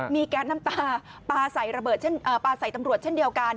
มีแก๊สน้ำตาปลาใส่ตำรวจเช่นเดียวกัน